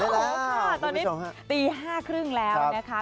ตอนนี้ตี๕๓๐แล้วนะคะ